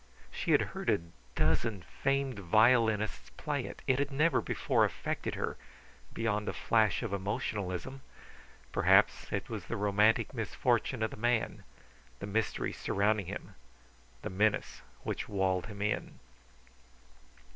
She had heard a dozen famed violinists play it. It had never before affected her beyond a flash of emotionalism. Perhaps it was the romantic misfortune of the man, the mystery surrounding him, the menace which walled him in.